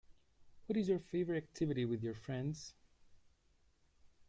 What is your favorite activity with your friends?